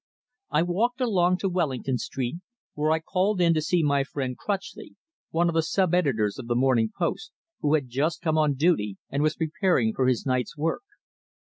I walked along to Wellington Street, where I called in to see my friend Crutchley, one of the sub editors of the Morning Post, who had just come on duty and was preparing for his night's work.